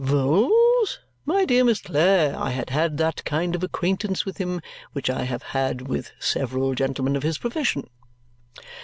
"Vholes? My dear Miss Clare, I had had that kind of acquaintance with him which I have had with several gentlemen of his profession.